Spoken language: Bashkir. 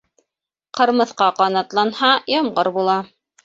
Ҡырмыҫҡа ҡанатланһа, ямғыр була.